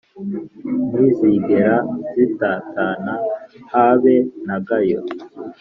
ntizigera zitatana habe nagayo